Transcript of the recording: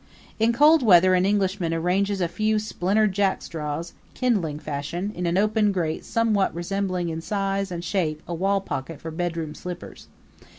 In cold weather an Englishman arranges a few splintered jackstraws, kindling fashion, in an open grate somewhat resembling in size and shape a wallpocket for bedroom slippers.